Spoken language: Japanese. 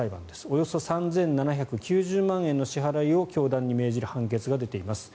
およそ３７９０万円の支払いを教団に命じる判決が出ています。